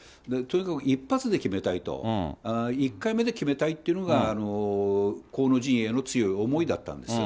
一発で決めたいと、１回目で決めたいというのが河野陣営の強い思いだったんですよ。